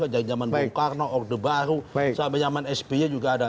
dari zaman bukarno orde baru sampai zaman spj juga ada